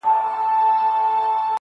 • د تعویذ اغېز تر لنډي زمانې وي -